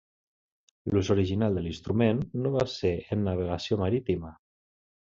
L'ús original de l'instrument no va ser en navegació marítima.